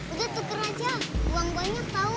udah tuker aja uang banyak tau